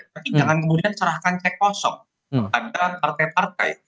tapi jangan kemudian serahkan cek kosong kepada partai partai